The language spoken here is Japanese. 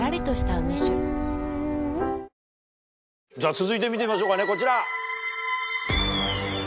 続いて見てみましょうかねこちら。